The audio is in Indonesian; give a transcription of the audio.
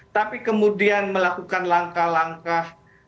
tapi kemudian melakukan langkah langkah